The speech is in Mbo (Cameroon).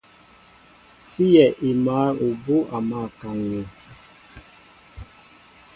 Síyɛ í máál ubú' a mǎl kaŋ̀ŋi.